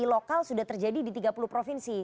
lokal sudah terjadi di tiga puluh provinsi